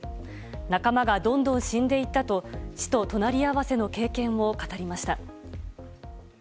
仲間がどんどん死んでいったと死と隣り合わせの経験を語りました。